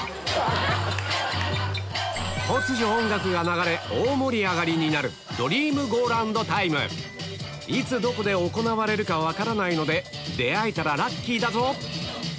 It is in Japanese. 突如音楽が流れいつどこで行われるか分からないので出合えたらラッキーだぞ